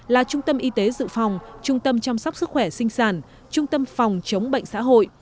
là trung tâm y tế dự phòng trung tâm chăm sóc sức khỏe sinh sản trung tâm phòng chống bệnh xã hội